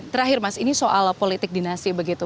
terakhir mas ini soal politik dinasti begitu